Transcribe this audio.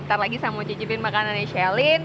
ntar lagi saya mau cicipin makanannya shelin